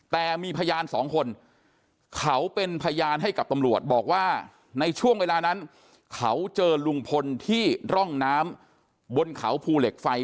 แต่มีพยานสองคนเขาเป็นพยานให้กับตำรวจบอกว่าในช่วงเวลานั้นเขาเจอลุงพลที่ร่องน้ำบนเขาภูเหล็กไฟ